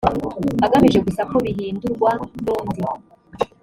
agamije gusa ko bihindurwa n undi